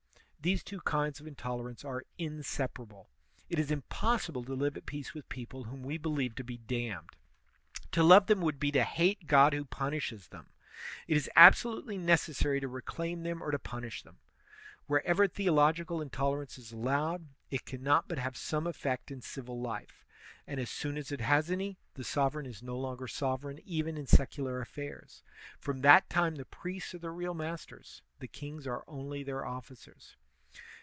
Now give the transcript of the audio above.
These two kinds of intolerance are inseparable. It is impossible to live at peace with people whom we believe to be damned; to love them would be to hate God who punishes them. It is absolutely necessary to reclaim them or to punish them. Wherever theological intolerance is allowed, it CIVIL RELIGION 125 cannot but have some effect in civil life;* and as soon as it has any, the sovereign is no longer sovereign even in secular affairs; from that time the priests are the real masters; the kings are only their officers.